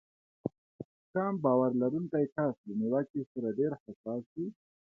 کم باور لرونکی کس له نيوکې سره ډېر حساس وي.